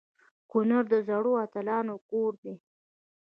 کنړ د زړورو اتلانو کور دی.